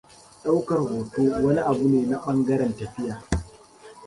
Ɗaukar hoto wani abune na ɓangaren tafiya.